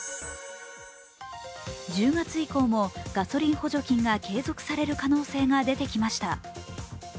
１０月以降もガソリン補助金が継続される可能性が出てきました。